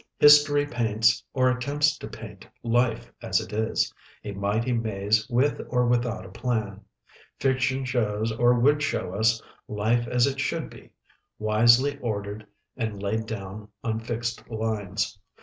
History paints or attempts to paint life as it is, a mighty maze with or without a plan; Fiction shows or would show us life as it should be, wisely ordered and laid down on fixed lines.